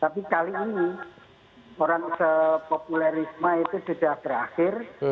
tapi kali ini orang se populer risma itu sudah terakhir